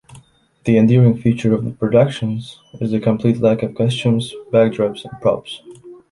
The enduring feature of the productions is the complete lack of costumes, backdrops and props.